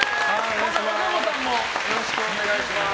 和歌子さんもよろしくお願いします。